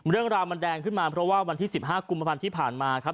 เรื่องราวมันแดงขึ้นมาเพราะว่าวันที่๑๕กุมภาพันธ์ที่ผ่านมาครับ